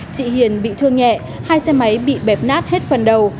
chị hiền bị thương nhẹ hai xe máy bị bẹp nát hết phần đầu